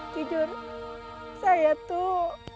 jujur saya tuh